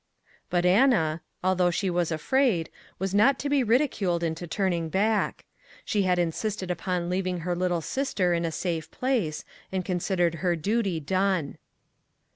But Anna, although she was afraid, was not to be ridiculed into turning back; she had in sisted upon leaving her little sister in a safe place, and considered her duty done.